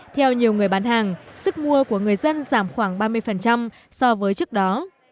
theo nhiều người bán hàng sức mua của người dân giảm khoảng ba mươi so với trước đó